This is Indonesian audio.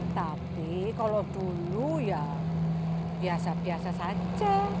tapi kalau dulu ya biasa biasa saja